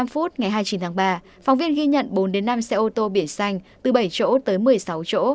hai mươi ba h bốn mươi năm ngày hai mươi chín tháng ba phóng viên ghi nhận bốn năm xe ô tô biển xanh từ bảy chỗ tới một mươi sáu chỗ